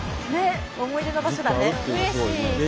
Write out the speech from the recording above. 思い出の場所だね。